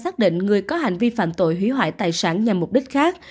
xác định người có hành vi phạm tội hủy hoại tài sản nhằm mục đích khác